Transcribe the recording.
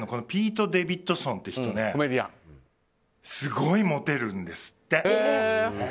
ピート・デヴィッドソンって人すごいモテるんですって。